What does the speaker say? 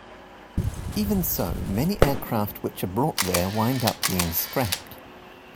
Even so, many aircraft which are brought there wind up being scrapped.